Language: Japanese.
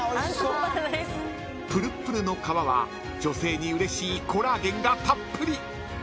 ［ぷるっぷるの皮は女性にうれしいコラーゲンがたっぷり］